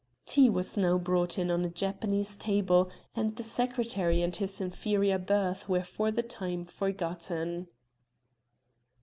Tea was now brought in on a Japanese table and the secretary and his inferior birth were for the time forgotten.